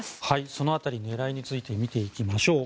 その辺り、狙いについて見ていきましょう。